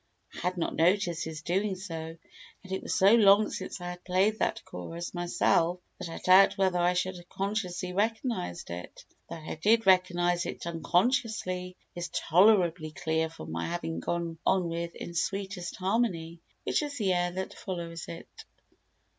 I had not noticed his doing so, and it was so long since I had played that chorus myself that I doubt whether I should have consciously recognised it. That I did recognise it unconsciously is tolerably clear from my having gone on with "In Sweetest Harmony," which is the air that follows it.